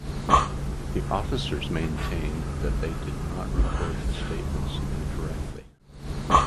The officers maintained that they did not record the statements incorrectly.